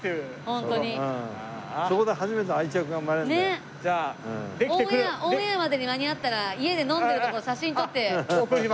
オンエアまでに間に合ったら家で飲んでるところ写真撮ってくださいよ。